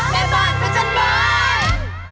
แม่บ้านประจันบาล